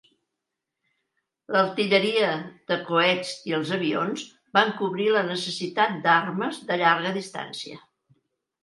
L'artilleria de coets i els avions van cobrir la necessitat d'armes de llarga distància.